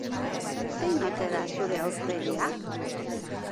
Zein ote da zure aurpegia?